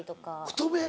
太め？